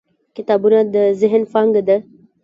• کتابونه د ذهن پانګه ده.